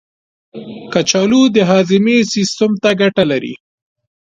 کچالو د هاضمې سیستم ته ګټه لري.